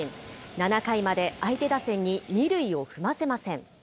７回まで相手打線に２塁を踏ませません。